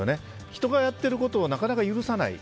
人がやっていることをなかなか許さない。